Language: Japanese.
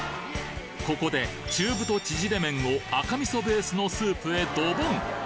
ここで中太ちぢれ麺を赤味噌ベースのスープへドボン！